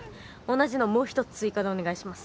同じのもう１つ追加でお願いします。